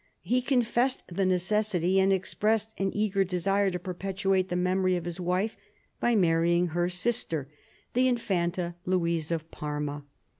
He confessed the necessity, and expressed' an eager desire to perpetuate the memory of his wife\ by marrying her sister, the Infanta Louise of Parma.